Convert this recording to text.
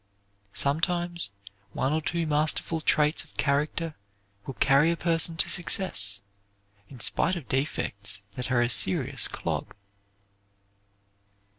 Sometimes one or two masterful traits of character will carry a person to success, in spite of defects that are a serious clog.